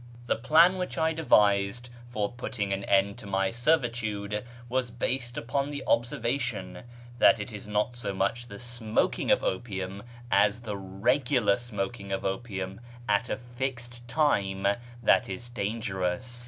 The plan which I devised for putting an end to my servitude was based upon the observation that it is not so much the smoking of opium as the regular smoking of opium at a fixed time, that is dangerous.